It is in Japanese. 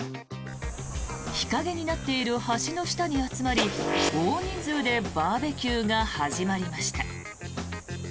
日陰になっている橋の下に集まり大人数でバーベキューが始まりました。